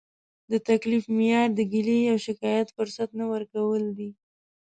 د تکلیف معیار د ګیلې او شکایت فرصت نه ورکول دي.